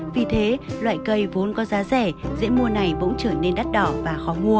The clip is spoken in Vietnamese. vì thế loại cây vốn có giá rẻ dễ mua này bỗng trở nên đắt đỏ và khó mua